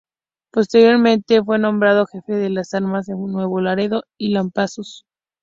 Posteriormente fue nombrado jefe de las armas en Nuevo Laredo y Lampazos.